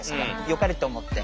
よかれと思って。